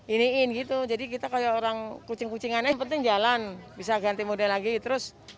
iniin gitu jadi kita kayak orang kucing kucingan aja penting jalan bisa ganti model lagi terus